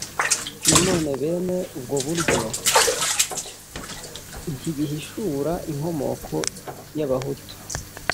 na none bene ibwo buryo ntibihishura inkomoko y’abahutu